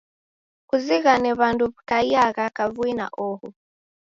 Kuzighane w'andu wi'kaiagha kavui na oho